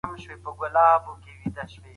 که کتاب ولرو هم مطالعه زيار راکوي.